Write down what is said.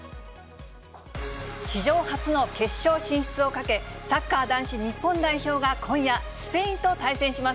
史上初の決勝進出をかけ、サッカー男子日本代表が今夜、スペインと対戦します。